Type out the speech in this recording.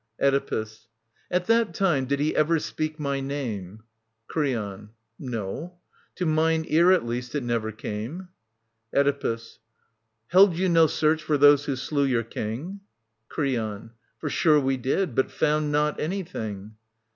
Oedipus. At I hat time did he ever speak my name ? Creon. No. To mine ear at least it never came. Oedipus. Held yoii no search for those who slew your King ? Creon. For sure we did, but found not anything.